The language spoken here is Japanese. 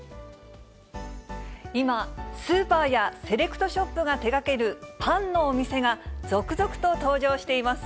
今、スーパーやセレクトショップが手がけるパンのお店が、続々と登場しています。